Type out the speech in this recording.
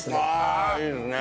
ああいいですね。